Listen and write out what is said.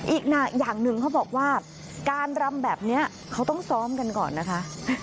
อีกอย่างหนึ่งเขาบอกว่าการรำแบบนี้เขาต้องซ้อมกันก่อนนะคะ